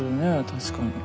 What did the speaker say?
確かに。